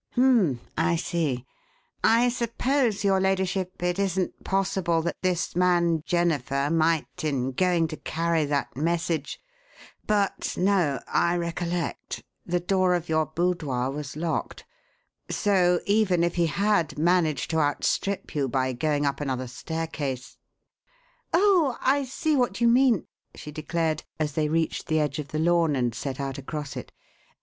"H'm! I see. I suppose, your ladyship, it isn't possible that this man Jennifer might, in going to carry that message But no! I recollect: the door of your boudoir was locked. So even if he had managed to outstrip you by going up another staircase " "Oh, I see what you mean!" she declared, as they reached the edge of the lawn and set out across it.